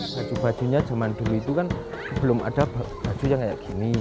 baju bajunya zaman dulu itu kan belum ada baju yang kayak gini